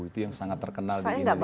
itu yang sangat terkenal di indonesia